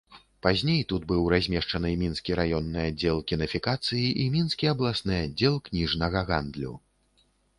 Пазней тут быў размешчаны мінскі раённы аддзел кінафікацыі і мінскі абласны аддзел кніжнага гандлю.